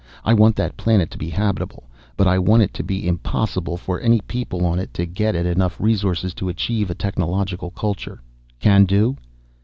I want that planet to be habitable, but I want it to be impossible for any people on it to get at enough resources to achieve a technological culture. Can do?"